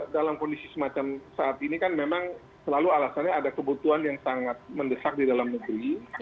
dalam kondisi semacam saat ini kan memang selalu alasannya ada kebutuhan yang sangat mendesak di dalam negeri